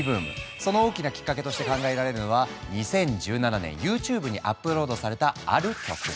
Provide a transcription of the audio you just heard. その大きなきっかけとして考えられるのは２０１７年ＹｏｕＴｕｂｅにアップロードされたある曲。